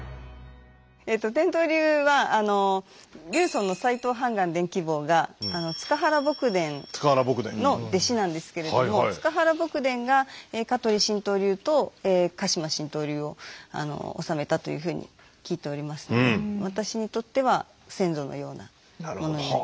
えっと天道流は流祖の斎藤判官伝鬼房が塚原卜伝の弟子なんですけれども塚原卜伝が香取神道流と鹿島新當流を修めたというふうに聞いておりますので私にとっては先祖のようなものになります。